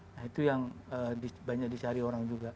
nah itu yang banyak dicari orang juga